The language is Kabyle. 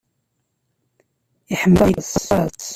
Iḥemmel-ikem aṭas.